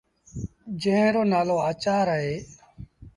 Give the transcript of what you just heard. جݩهݩ رو نآلو آچآر اهي۔